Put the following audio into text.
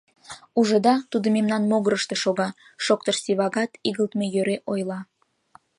— Ужыда, тудо мемнан могырышто шога! — шоктыш Сивагат, игылтме йӧре ойла.